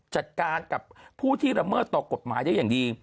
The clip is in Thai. จัดการกับผู้ที่ละเมิดต่อกฎหมายได้อย่างดี